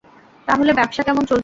তাহলে, ব্যবসা কেমন চলছে?